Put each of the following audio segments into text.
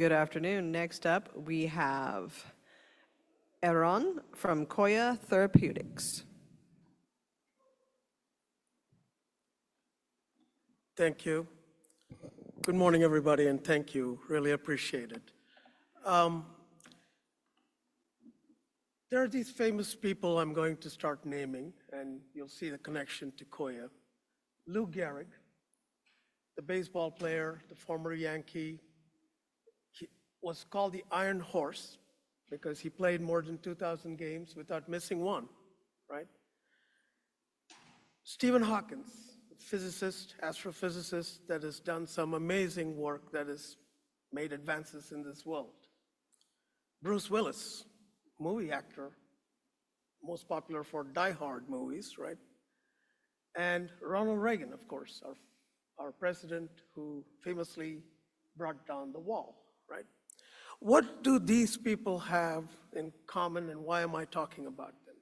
Good afternoon. Next up, we have Arun from Coya Therapeutics. Thank you. Good morning, everybody, and thank you. Really appreciate it. There are these famous people I'm going to start naming, and you'll see the connection to Coya. Lou Gehrig, the baseball player, the former Yankee. He was called the Iron Horse because he played more than 2,000 games without missing one, right? Stephen Hawking, physicist, astrophysicist that has done some amazing work that has made advances in this world. Bruce Willis, movie actor, most popular for Die Hard movies, right? And Ronald Reagan, of course, our president who famously brought down the wall, right? What do these people have in common, and why am I talking about them?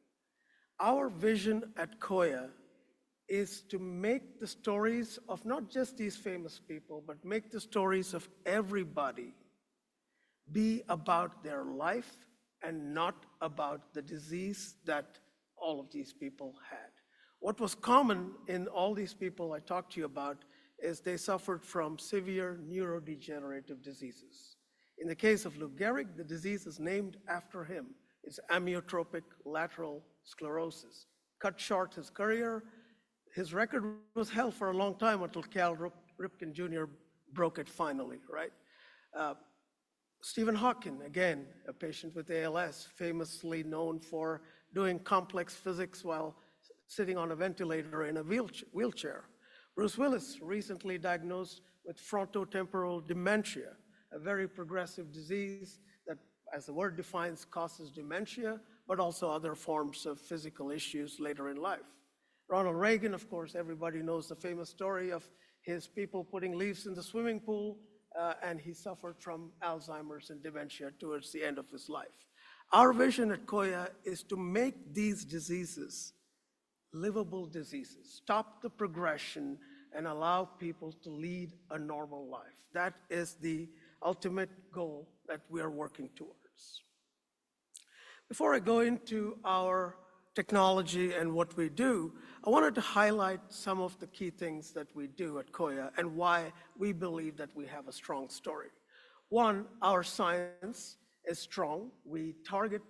Our vision at Coya is to make the stories of not just these famous people, but make the stories of everybody be about their life and not about the disease that all of these people had. What was common in all these people I talked to you about is they suffered from severe neurodegenerative diseases. In the case of Lou Gehrig, the disease is named after him. It's amyotrophic lateral sclerosis. Cut short his career. His record was held for a long time until Cal Ripken Jr. broke it finally, right? Stephen Hawking, again, a patient with ALS, famously known for doing complex physics while sitting on a ventilator in a wheelchair. Bruce Willis, recently diagnosed with frontotemporal dementia, a very progressive disease that, as the word defines, causes dementia, but also other forms of physical issues later in life. Ronald Reagan, of course, everybody knows the famous story of his people putting leaves in the swimming pool, and he suffered from Alzheimer's and dementia towards the end of his life. Our vision at Coya is to make these diseases livable diseases, stop the progression, and allow people to lead a normal life. That is the ultimate goal that we are working towards. Before I go into our technology and what we do, I wanted to highlight some of the key things that we do at Coya and why we believe that we have a strong story. One, our science is strong. We target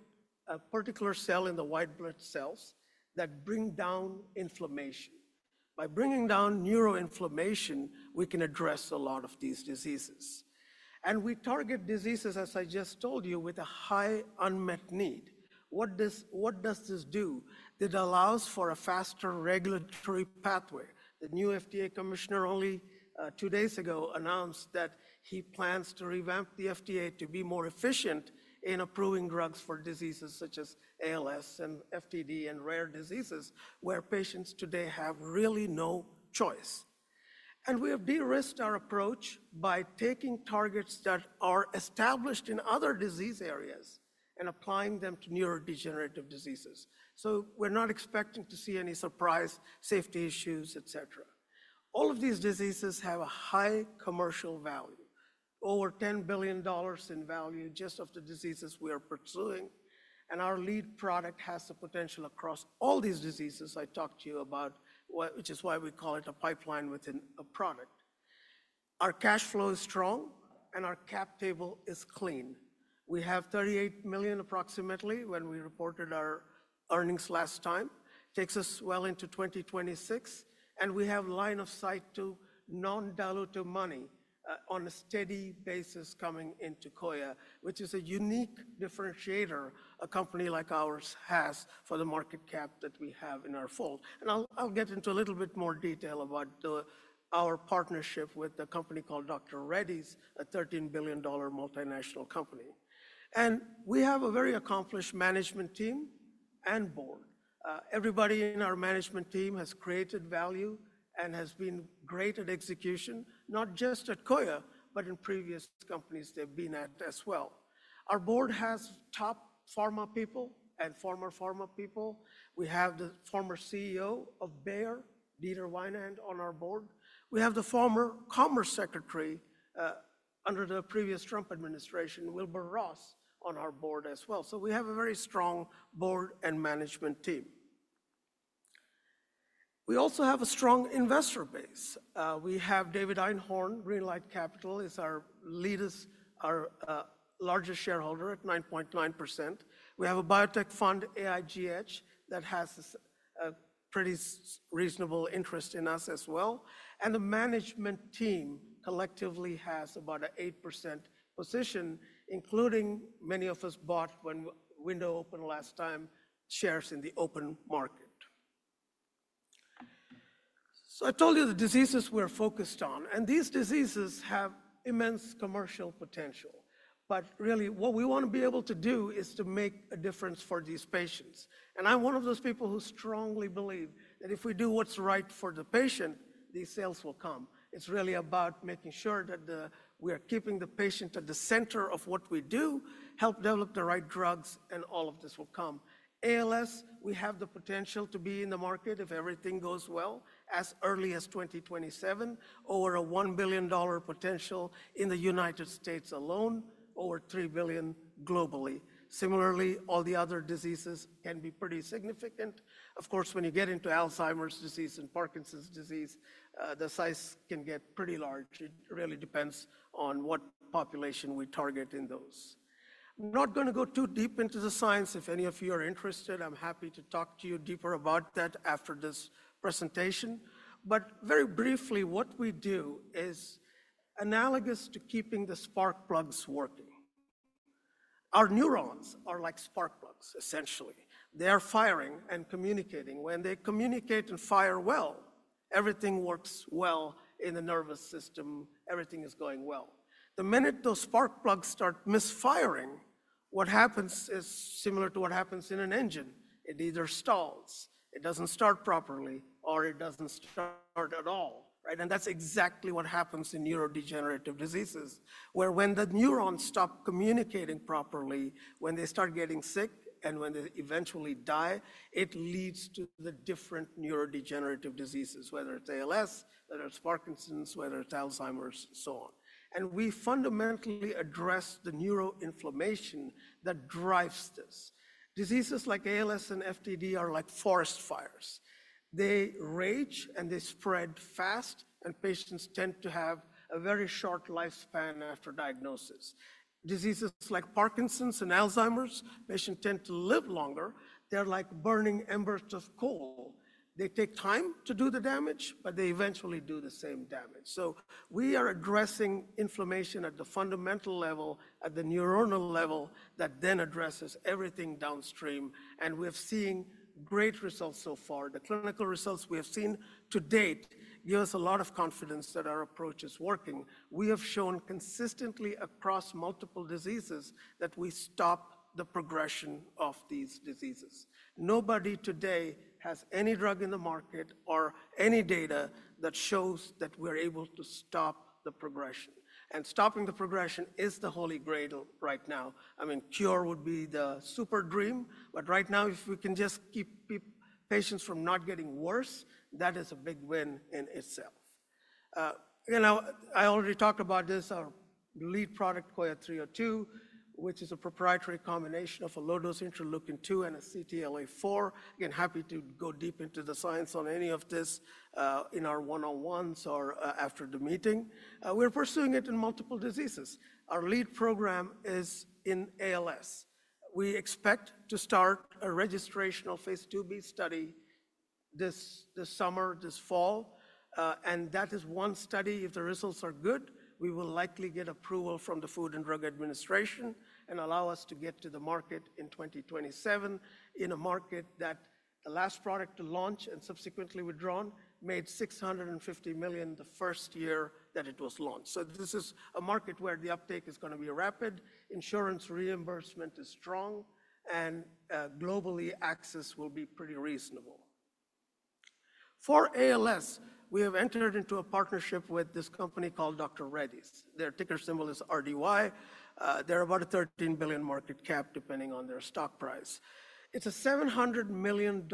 a particular cell in the white blood cells that bring down inflammation. By bringing down neuroinflammation, we can address a lot of these diseases. We target diseases, as I just told you, with a high unmet need. What does this do? It allows for a faster regulatory pathway. The new FDA commissioner only two days ago announced that he plans to revamp the FDA to be more efficient in approving drugs for diseases such as ALS and FTD and rare diseases where patients today have really no choice. We have de-risked our approach by taking targets that are established in other disease areas and applying them to neurodegenerative diseases. We are not expecting to see any surprise safety issues, etcetera. All of these diseases have a high commercial value, over $10 billion in value just of the diseases we are pursuing. Our lead product has the potential across all these diseases I talked to you about, which is why we call it a pipeline within a product. Our cash flow is strong, and our cap table is clean. We have $38 million approximately when we reported our earnings last time. It takes us well into 2026. We have line of sight to non-dilutive money on a steady basis coming into Coya, which is a unique differentiator a company like ours has for the market cap that we have in our fold. I'll get into a little bit more detail about our partnership with a company called Dr. Reddy's, a $13 billion multinational company. We have a very accomplished management team and board. Everybody in our management team has created value and has been great at execution, not just at Coya, but in previous companies they've been at as well. Our board has top pharma people and former pharma people. We have the former CEO of Bayer, Dieter Weinand, on our board. We have the former Commerce Secretary under the previous Trump administration, Wilbur Ross, on our board as well. We have a very strong board and management team. We also have a strong investor base. We have David Einhorn, Greenlight Capital is our largest shareholder at 9.9%. We have a biotech fund, AIGH, that has a pretty reasonable interest in us as well. The management team collectively has about an 8% position, including many of us bought when window opened last time shares in the open market. I told you the diseases we're focused on, and these diseases have immense commercial potential. What we want to be able to do is to make a difference for these patients. I'm one of those people who strongly believe that if we do what's right for the patient, these sales will come. It's really about making sure that we are keeping the patient at the center of what we do, help develop the right drugs, and all of this will come. ALS, we have the potential to be in the market if everything goes well as early as 2027, over a $1 billion potential in the United States alone, over $3 billion globally. Similarly, all the other diseases can be pretty significant. Of course, when you get into Alzheimer's disease and Parkinson's disease, the size can get pretty large. It really depends on what population we target in those. I'm not going to go too deep into the science. If any of you are interested, I'm happy to talk to you deeper about that after this presentation. But very briefly, what we do is analogous to keeping the spark plugs working. Our neurons are like spark plugs, essentially. They are firing and communicating. When they communicate and fire well, everything works well in the nervous system. Everything is going well. The minute those spark plugs start misfiring, what happens is similar to what happens in an engine. It either stalls, it does not start properly, or it does not start at all, right? That is exactly what happens in neurodegenerative diseases, where when the neurons stop communicating properly, when they start getting sick and when they eventually die, it leads to the different neurodegenerative diseases, whether it is ALS, whether it is Parkinson's, whether it is Alzheimer's, and so on. We fundamentally address the neuroinflammation that drives this. Diseases like ALS and FTD are like forest fires. They rage and they spread fast, and patients tend to have a very short lifespan after diagnosis. Diseases like Parkinson's and Alzheimer's, patients tend to live longer. They are like burning embers of coal. They take time to do the damage, but they eventually do the same damage. We are addressing inflammation at the fundamental level, at the neuronal level that then addresses everything downstream. We have seen great results so far. The clinical results we have seen to date give us a lot of confidence that our approach is working. We have shown consistently across multiple diseases that we stop the progression of these diseases. Nobody today has any drug in the market or any data that shows that we're able to stop the progression. Stopping the progression is the holy grail right now. I mean, cure would be the super dream, but right now, if we can just keep patients from not getting worse, that is a big win in itself. I already talked about this. Our lead product, COYA 302, which is a proprietary combination of a low-dose interleukin-2 and a CTLA-4. Again, happy to go deep into the science on any of this in our one-on-ones or after the meeting. We're pursuing it in multiple diseases. Our lead program is in ALS. We expect to start a registration phase 2B study this summer, this fall. That is one study. If the results are good, we will likely get approval from the Food and Drug Administration and allow us to get to the market in 2027 in a market that the last product to launch and subsequently withdrawn made $650 million the first year that it was launched. This is a market where the uptake is going to be rapid. Insurance reimbursement is strong, and globally, access will be pretty reasonable. For ALS, we have entered into a partnership with this company called Dr. Reddy's. Their ticker symbol is RDY. They're about a $13 billion market cap, depending on their stock price. It's a $700 million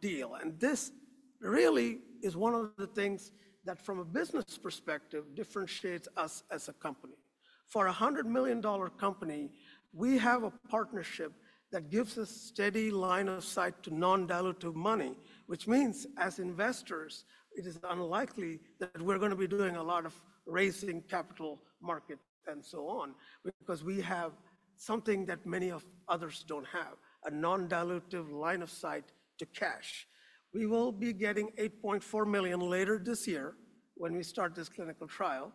deal. This really is one of the things that, from a business perspective, differentiates us as a company. For a $100 million company, we have a partnership that gives us steady line of sight to non-dilutive money, which means as investors, it is unlikely that we're going to be doing a lot of raising capital market and so on because we have something that many others don't have, a non-dilutive line of sight to cash. We will be getting $8.4 million later this year when we start this clinical trial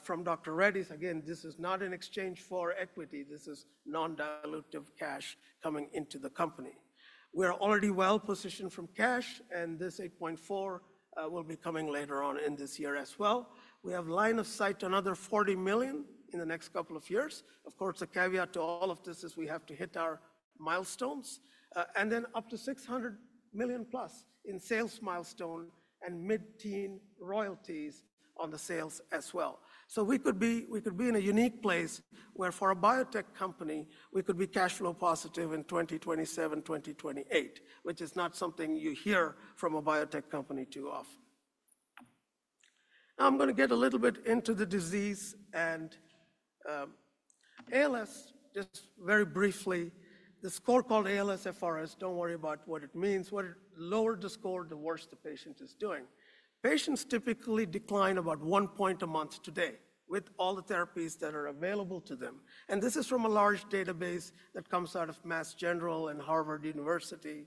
from Dr. Reddy's. Again, this is not an exchange for equity. This is non-dilutive cash coming into the company. We're already well positioned from cash, and this $8.4 million will be coming later on in this year as well. We have line of sight to another $40 million in the next couple of years. Of course, a caveat to all of this is we have to hit our milestones. And then up to $600 million plus in sales milestone and mid-teen % royalties on the sales as well. We could be in a unique place where for a biotech company, we could be cash flow positive in 2027, 2028, which is not something you hear from a biotech company too often. Now I'm going to get a little bit into the disease and ALS, just very briefly. The score called ALS-FRS, don't worry about what it means. The lower the score, the worse the patient is doing. Patients typically decline about one point a month today with all the therapies that are available to them. This is from a large database that comes out of Mass General and Harvard University.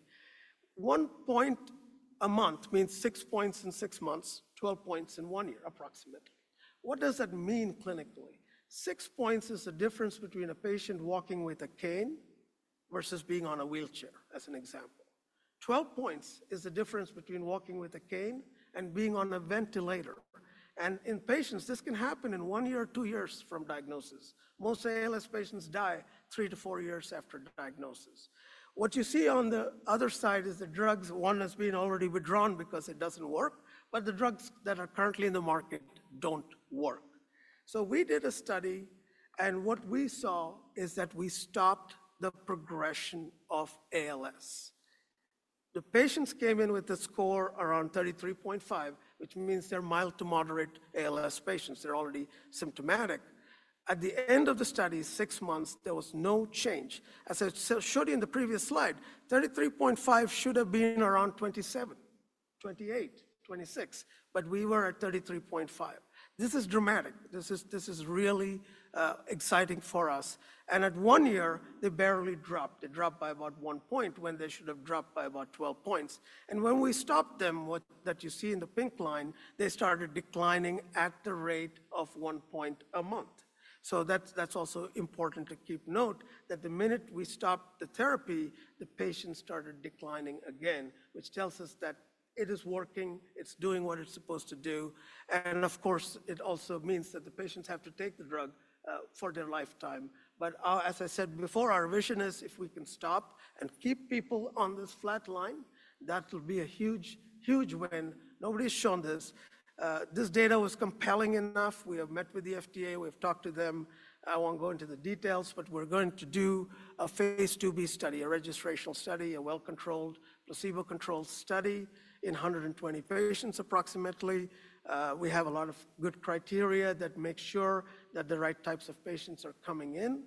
One point a month means six points in six months, 12 points in one year approximately. What does that mean clinically? Six points is the difference between a patient walking with a cane versus being on a wheelchair, as an example. Twelve points is the difference between walking with a cane and being on a ventilator. In patients, this can happen in one year or two years from diagnosis. Most ALS patients die three to four years after diagnosis. What you see on the other side is the drugs. One has been already withdrawn because it does not work, but the drugs that are currently in the market do not work. We did a study, and what we saw is that we stopped the progression of ALS. The patients came in with a score around 33.5, which means they're mild to moderate ALS patients. They're already symptomatic. At the end of the study, six months, there was no change. As I showed you in the previous slide, 33.5 should have been around 27, 28, 26, but we were at 33.5. This is dramatic. This is really exciting for us. At one year, they barely dropped. They dropped by about one point when they should have dropped by about 12 points. When we stopped them, what you see in the pink line, they started declining at the rate of one point a month. That is also important to keep note that the minute we stopped the therapy, the patients started declining again, which tells us that it is working. It's doing what it's supposed to do. Of course, it also means that the patients have to take the drug for their lifetime. As I said before, our vision is if we can stop and keep people on this flat line, that will be a huge, huge win. Nobody's shown this. This data was compelling enough. We have met with the FDA. We have talked to them. I won't go into the details, but we're going to do a phase 2B study, a registration study, a well-controlled placebo-controlled study in approximately 120 patients. We have a lot of good criteria that make sure that the right types of patients are coming in.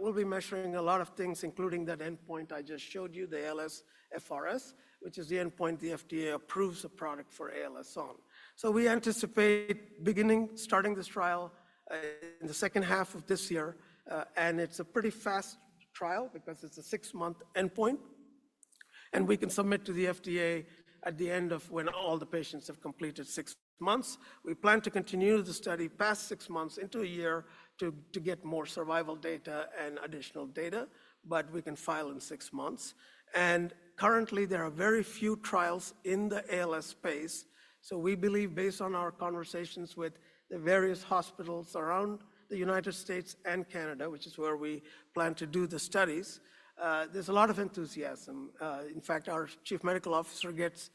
We'll be measuring a lot of things, including that endpoint I just showed you, the ALS-FRS, which is the endpoint the FDA approves a product for ALS on. We anticipate beginning, starting this trial in the second half of this year. It is a pretty fast trial because it is a six-month endpoint. We can submit to the FDA at the end of when all the patients have completed six months. We plan to continue the study past six months into a year to get more survival data and additional data, but we can file in six months. Currently, there are very few trials in the ALS space. We believe, based on our conversations with the various hospitals around the United States and Canada, which is where we plan to do the studies, there is a lot of enthusiasm. In fact, our Chief Medical Officer gets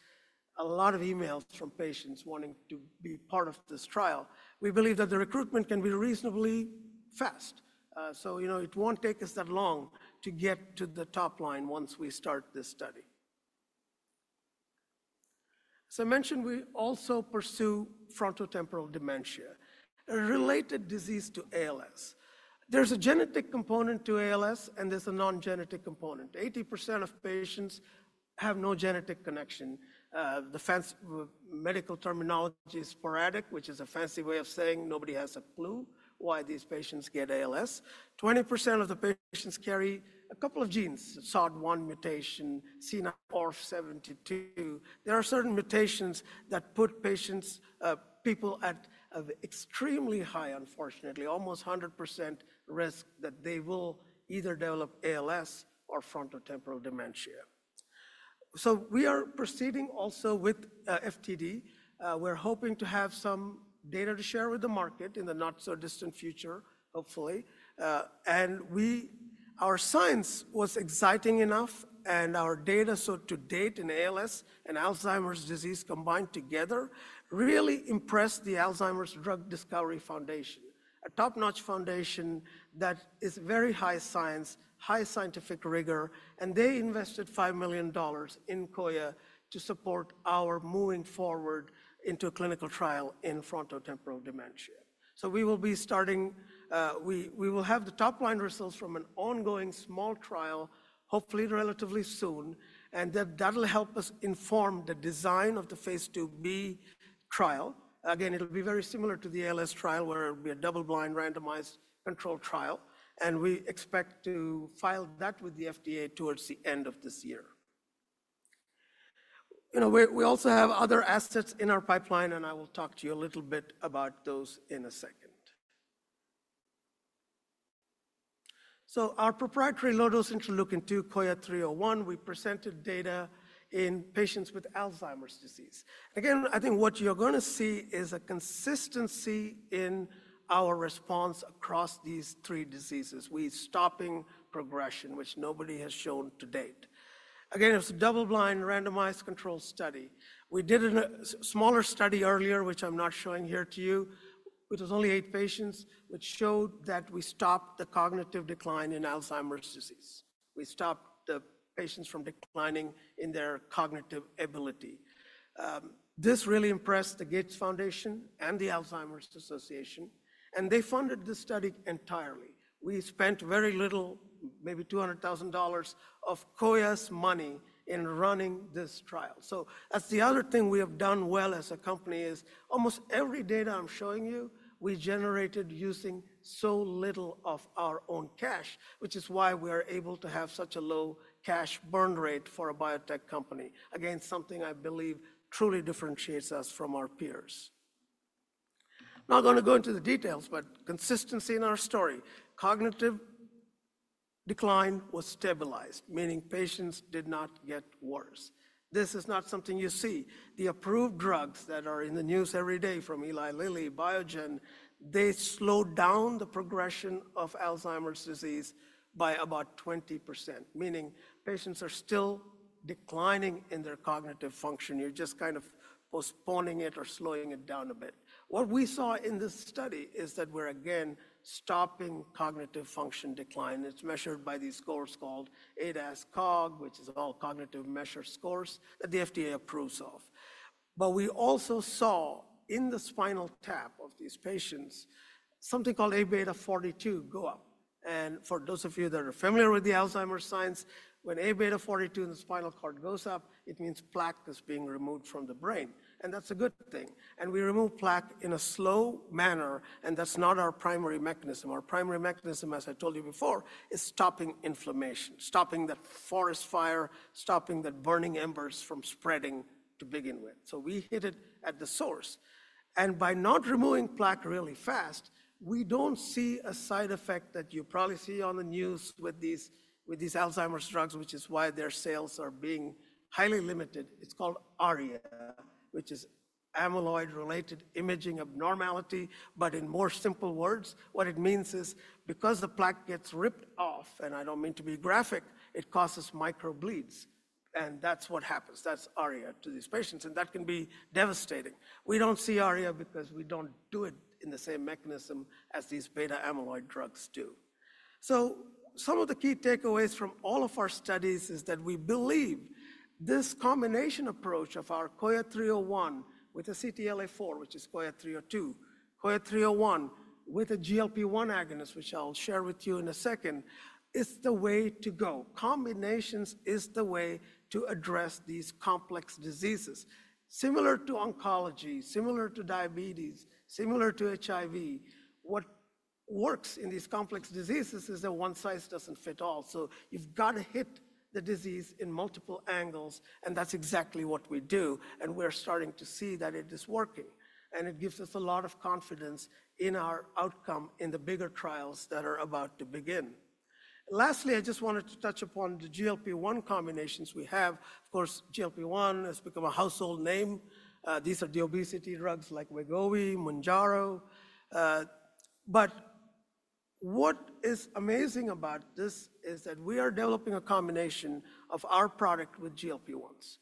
a lot of emails from patients wanting to be part of this trial. We believe that the recruitment can be reasonably fast. It won't take us that long to get to the top line once we start this study. As I mentioned, we also pursue frontotemporal dementia, a related disease to ALS. There's a genetic component to ALS, and there's a non-genetic component. 80% of patients have no genetic connection. The medical terminology is sporadic, which is a fancy way of saying nobody has a clue why these patients get ALS. 20% of the patients carry a couple of genes, SOD1 mutation, C9ORF72. There are certain mutations that put patients, people at extremely high, unfortunately, almost 100% risk that they will either develop ALS or frontotemporal dementia. We are proceeding also with FTD. We're hoping to have some data to share with the market in the not-so-distant future, hopefully. Our science was exciting enough, and our data to date in ALS and Alzheimer's disease combined together really impressed the Alzheimer's Drug Discovery Foundation, a top-notch foundation that is very high science, high scientific rigor. They invested $5 million in Coya to support our moving forward into a clinical trial in frontotemporal dementia. We will be starting; we will have the top-line results from an ongoing small trial, hopefully relatively soon, and that will help us inform the design of the phase II-B trial. Again, it will be very similar to the ALS trial, where it will be a double-blind randomized control trial. We expect to file that with the FDA towards the end of this year. We also have other assets in our pipeline, and I will talk to you a little bit about those in a second. Our proprietary low-dose interleukin-2 COYA 301, we presented data in patients with Alzheimer's disease. Again, I think what you're going to see is a consistency in our response across these three diseases. We're stopping progression, which nobody has shown to date. Again, it's a double-blind randomized control study. We did a smaller study earlier, which I'm not showing here to you, which was only eight patients, which showed that we stopped the cognitive decline in Alzheimer's disease. We stopped the patients from declining in their cognitive ability. This really impressed the Gates Foundation and the Alzheimer's Association, and they funded the study entirely. We spent very little, maybe $200,000 of Coya's money in running this trial. That's the other thing we have done well as a company is almost every data I'm showing you, we generated using so little of our own cash, which is why we are able to have such a low cash burn rate for a biotech company. Again, something I believe truly differentiates us from our peers. I'm not going to go into the details, but consistency in our story. Cognitive decline was stabilized, meaning patients did not get worse. This is not something you see. The approved drugs that are in the news every day from Eli Lilly, Biogen, they slowed down the progression of Alzheimer's disease by about 20%, meaning patients are still declining in their cognitive function. You're just kind of postponing it or slowing it down a bit. What we saw in this study is that we're again stopping cognitive function decline. It's measured by these scores called ADAS-COG, which is all cognitive measure scores that the FDA approves of. We also saw in the spinal tap of these patients something called A beta 42 go up. For those of you that are familiar with the Alzheimer's science, when A beta 42 in the spinal cord goes up, it means plaque is being removed from the brain. That's a good thing. We remove plaque in a slow manner, and that's not our primary mechanism. Our primary mechanism, as I told you before, is stopping inflammation, stopping that forest fire, stopping that burning embers from spreading to begin with. We hit it at the source. By not removing plaque really fast, we don't see a side effect that you probably see on the news with these Alzheimer's drugs, which is why their sales are being highly limited. It's called ARIA, which is amyloid-related imaging abnormality. In more simple words, what it means is because the plaque gets ripped off, and I don't mean to be graphic, it causes microbleeds. That's what happens. That's ARIA to these patients. That can be devastating. We don't see ARIA because we don't do it in the same mechanism as these beta amyloid drugs do. Some of the key takeaways from all of our studies is that we believe this combination approach of our COYA 301 with a CTLA-4, which is COYA 302, COYA 301 with a GLP-1 agonist, which I'll share with you in a second, is the way to go. Combinations is the way to address these complex diseases. Similar to oncology, similar to diabetes, similar to HIV, what works in these complex diseases is that one size doesn't fit all. You have got to hit the disease in multiple angles, and that is exactly what we do. We are starting to see that it is working. It gives us a lot of confidence in our outcome in the bigger trials that are about to begin. Lastly, I just wanted to touch upon the GLP-1 combinations we have. Of course, GLP-1 has become a household name. These are the obesity drugs like Wegovy, Mounjaro. What is amazing about this is that we are developing a combination of our product with GLP-1s.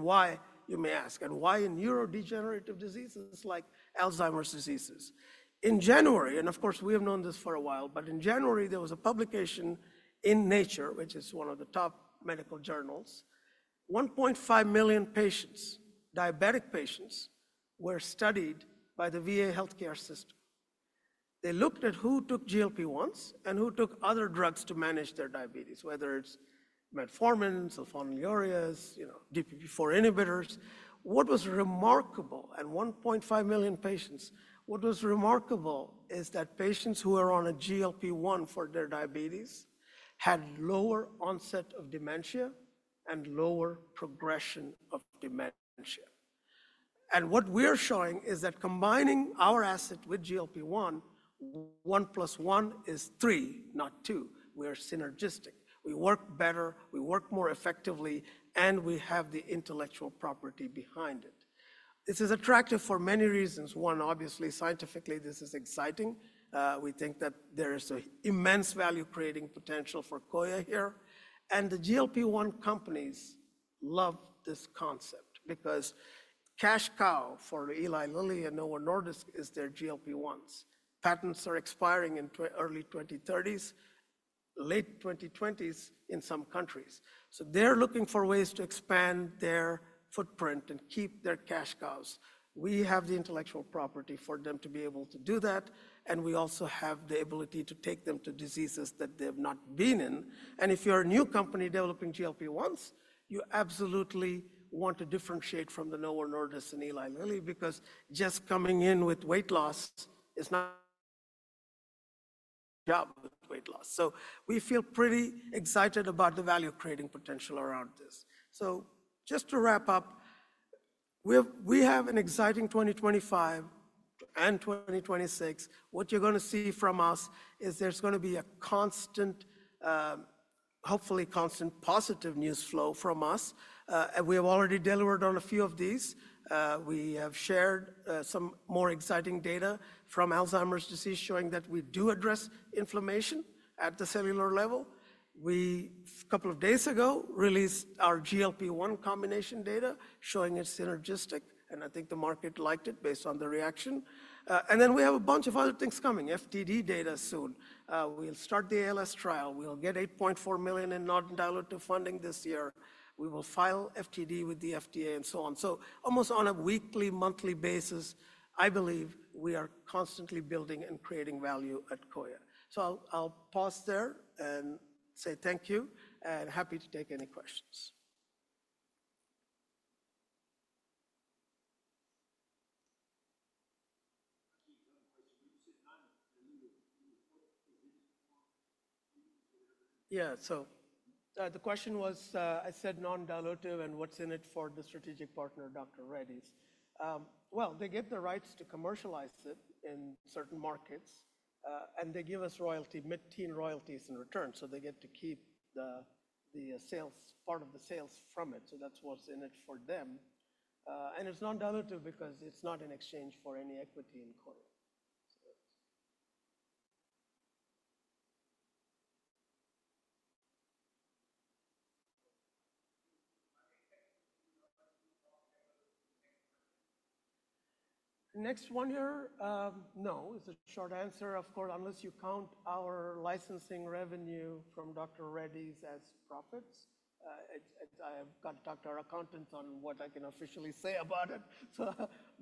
Why, you may ask, and why in neurodegenerative diseases like Alzheimer's diseases? In January, and of course, we have known this for a while, but in January, there was a publication in Nature, which is one of the top medical journals. 1.5 million patients, diabetic patients, were studied by the VA healthcare system. They looked at who took GLP-1s and who took other drugs to manage their diabetes, whether it's metformin, sulfonylureas, DPP-4 inhibitors. What was remarkable, and 1.5 million patients, what was remarkable is that patients who are on a GLP-1 for their diabetes had lower onset of dementia and lower progression of dementia. What we are showing is that combining our asset with GLP-1, 1 plus 1 is 3, not 2. We are synergistic. We work better, we work more effectively, and we have the intellectual property behind it. This is attractive for many reasons. One, obviously, scientifically, this is exciting. We think that there is an immense value-creating potential for Coya here. The GLP-1 companies love this concept because Cash Cow for Eli Lilly and Novo Nordisk is their GLP-1s. Patents are expiring in the early 2030s, late 2020s in some countries. They are looking for ways to expand their footprint and keep their cash cows. We have the intellectual property for them to be able to do that. We also have the ability to take them to diseases that they have not been in. If you are a new company developing GLP-1s, you absolutely want to differentiate from Novo Nordisk and Eli Lilly because just coming in with weight loss is not your job with weight loss. We feel pretty excited about the value-creating potential around this. Just to wrap up, we have an exciting 2025 and 2026. What you are going to see from us is there is going to be a constant, hopefully constant, positive news flow from us. We have already delivered on a few of these. We have shared some more exciting data from Alzheimer's disease showing that we do address inflammation at the cellular level. We, a couple of days ago, released our GLP-1 combination data showing it's synergistic. I think the market liked it based on the reaction. We have a bunch of other things coming. FTD data soon. We'll start the ALS trial. We'll get $8.4 million in non-diluted funding this year. We will file FTD with the FDA and so on. Almost on a weekly, monthly basis, I believe we are constantly building and creating value at Coya. I'll pause there and say thank you and happy to take any questions. Yeah, the question was, I said non-diluted and what's in it for the strategic partner, Dr. Reddy's. They get the rights to commercialize it in certain markets, and they give us royalty, mid-teen royalties in return. They get to keep the sales, part of the sales from it. That's what's in it for them. And it's non-diluted because it's not in exchange for any equity in Coya. Next one here. No, it's a short answer, of course, unless you count our licensing revenue from Dr. Reddy's as profits. I've got to talk to our accountants on what I can officially say about it.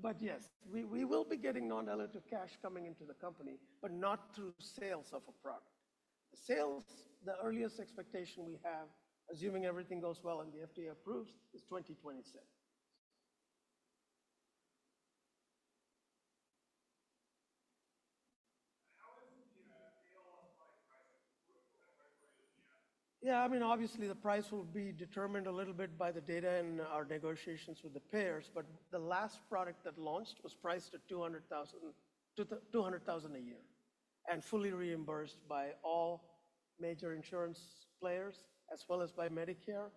But yes, we will be getting non-diluted cash coming into the company, but not through sales of a product. Sales, the earliest expectation we have, assuming everything goes well and the FDA approves, is 2026. How is the ALS product pricing? Yeah, I mean, obviously, the price will be determined a little bit by the data and our negotiations with the payers. But the last product that launched was priced at $200,000 a year and fully reimbursed by all major insurance players as well as by Medicare.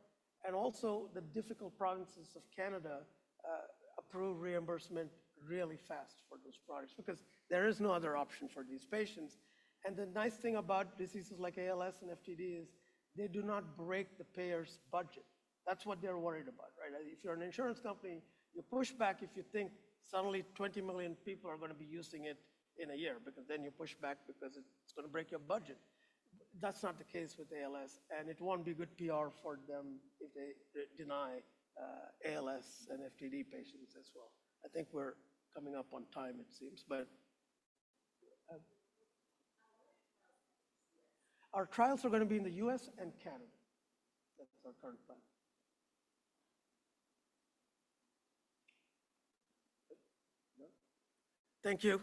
Also, the difficult provinces of Canada approved reimbursement really fast for those products because there is no other option for these patients. The nice thing about diseases like ALS and FTD is they do not break the payer's budget. That's what they're worried about, right? If you're an insurance company, you push back if you think suddenly 20 million people are going to be using it in a year because then you push back because it's going to break your budget. That's not the case with ALS, and it won't be good PR for them if they deny ALS and FTD patients as well. I think we're coming up on time, it seems, but our trials are going to be in the U.S. and Canada. That's our current plan. Thank you.